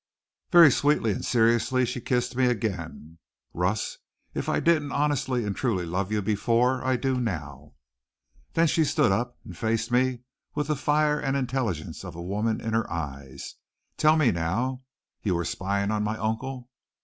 Very sweetly and seriously she kissed me again. "Russ, if I didn't honestly and truly love you before, I do now." Then she stood up and faced me with the fire and intelligence of a woman in her eyes. "Tell me now. You were spying on my uncle?"